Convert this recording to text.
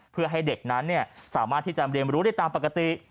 เพื่อให้เด็กนั้นสามารถที่จะเรียนรู้ได้ตามปกติ